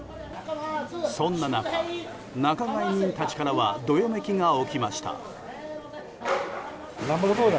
そんな中、仲買人たちからはどよめきが起きました。